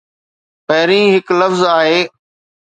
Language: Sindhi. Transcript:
پهرين هڪ لفظ آهي.